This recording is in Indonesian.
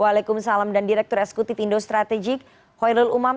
waalaikumsalam dan direktur eskutit indo strategik hoylul umam